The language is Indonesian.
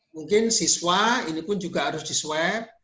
mungkin siswa ini pun juga harus di swab